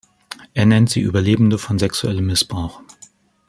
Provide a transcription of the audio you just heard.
Er nennt sie Überlebende von sexuellem Missbrauch.